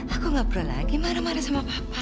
aku gak perlu lagi marah marah sama papa